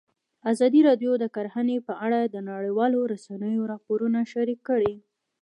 ازادي راډیو د کرهنه په اړه د نړیوالو رسنیو راپورونه شریک کړي.